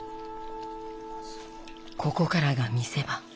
ここからが見せ場。